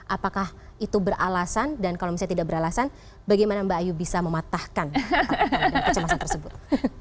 apakah itu beralasan dan kalau misalnya tidak beralasan bagaimana mbak ayu bisa mematahkan kecemasan tersebut